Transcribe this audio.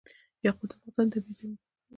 یاقوت د افغانستان د طبیعي زیرمو برخه ده.